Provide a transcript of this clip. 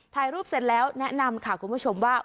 ถ่ายรูปเสร็จแล้วแนะนำค่ะคุณผู้ชมว่า